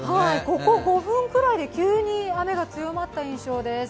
ここ５分くらいで急に雨が強まった印象です。